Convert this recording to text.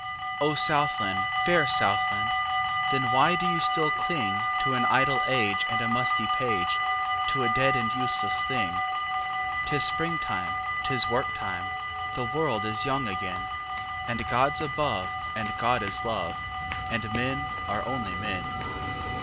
O Southland, fair Southland! Then why do you still clingTo an idle age and a musty page, To a dead and useless thing?'Tis springtime! 'Tis work time! The world is young again! And God's above, and God is love, And men are only men.